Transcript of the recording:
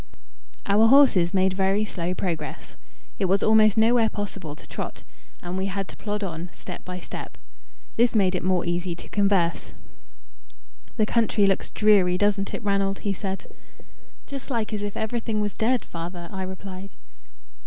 Our horses made very slow progress. It was almost nowhere possible to trot, and we had to plod on, step by step. This made it more easy to converse. "The country looks dreary, doesn't it, Ranald?" he said. "Just like as if everything was dead, father," I replied.